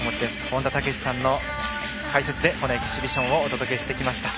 本田武史さんの解説でこのエキシビションをお届けしてきました。